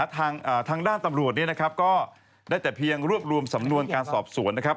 ทางด้านตำรวจเนี่ยนะครับก็ได้แต่เพียงรวบรวมสำนวนการสอบสวนนะครับ